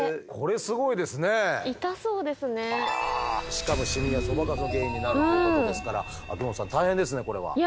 しかもシミやソバカスの原因になるということですから秋元さん大変ですねこれは。いやもう本当ですね。